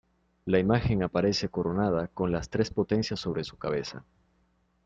La imagen aparece coronada con las tres potencias sobre su cabeza.